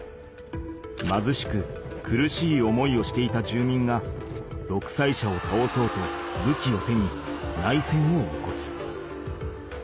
まずしく苦しい思いをしていた住民がどくさい者をたおそうとぶきを手に内戦を起こす。